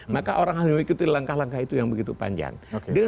maka orang harus mengikuti langkah langkah itu yang begitu panjang